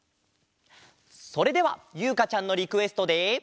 それではゆうかちゃんのリクエストで。